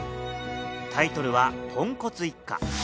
タイトルは『ポンコツ一家』。